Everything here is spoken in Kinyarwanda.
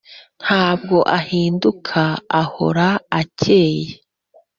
ntabwo ahinduka ahora acyeye.